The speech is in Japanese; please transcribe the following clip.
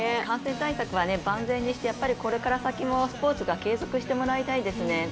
感染対策は万全にして、これから先もスポーツが継続してもらいたいですね。